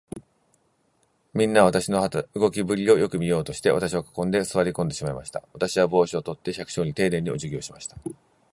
みんなは、私の動きぶりをよく見ようとして、私を囲んで、坐り込んでしまいました。私は帽子を取って、百姓にていねいに、おじぎをしました。